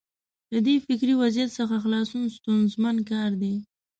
له دې فکري وضعیت څخه خلاصون ستونزمن کار دی.